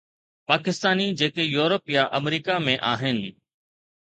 پاڪستاني جيڪي يورپ يا آمريڪا ۾ آهن.